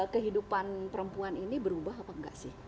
kehidupan perempuan ini berubah apa enggak sih